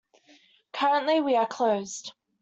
Currently we are closed.